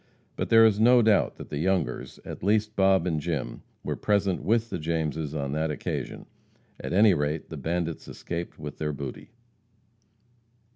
But there is no doubt that the Youngers at least Bob and Jim were present with the Jameses on that occasion. At any rate, the bandits escaped with their booty.